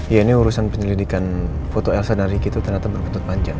ya ini urusan penyelidikan foto elsa dan riki itu ternyata berbentuk panjang